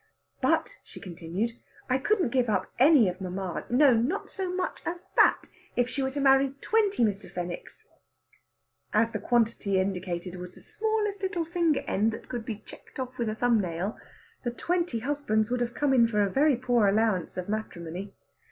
"But," she continued, "I couldn't give up any of mamma no, not so much as that if she was to marry twenty Mr. Fenwicks." As the quantity indicated was the smallest little finger end that could be checked off with a thumb nail, the twenty husbands would have come in for a very poor allowance of matrimony.